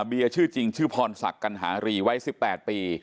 เบียร์ชื่อจริงชื่อพรศักดิ์กัณหารีไว้๑๘ปี